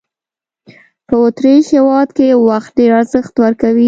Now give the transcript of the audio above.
په اوترېش هېواد کې وخت ډېر ارزښت ورکوي.